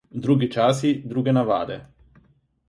Drugi časi, druge navade.